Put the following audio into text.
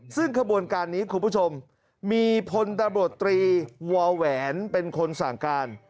ซึ่งขบวนการนี้คุณผู้ชมมีพลตำรวจตรีวอแหวนเป็นคนสั่งการ